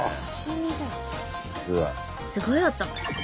すごい音。